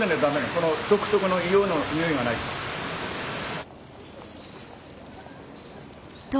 この独特の硫黄のにおいがないと。